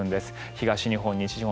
東日本、西日本